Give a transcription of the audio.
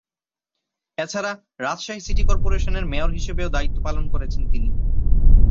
এছাড়া, রাজশাহী সিটি কর্পোরেশনের মেয়র হিসেবেও দায়িত্ব পালন করেছেন তিনি।